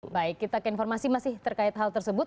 baik kita ke informasi masih terkait hal tersebut